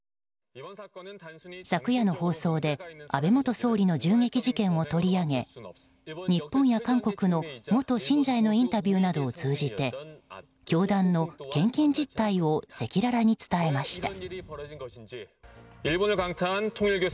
昨夜の放送で安倍元総理の銃撃事件を取り上げ日本や韓国の元信者へのインタビューを通じて教団の献金実態を赤裸々に伝えました。